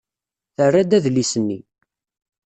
Terra-d adlis-nni.